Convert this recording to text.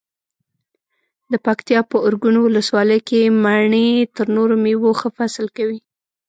د پکتیکا په ارګون ولسوالۍ کې مڼې تر نورو مېوو ښه فصل کوي.